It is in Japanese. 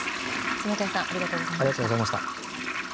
染田屋さんありがとうございました。